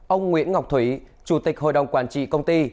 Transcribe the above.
ông nguyễn ngọc thủy chủ tịch hội đồng quản trị công ty